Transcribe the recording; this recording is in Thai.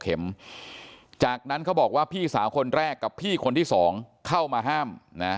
เข็มจากนั้นเขาบอกว่าพี่สาวคนแรกกับพี่คนที่๒เข้ามาห้ามนะ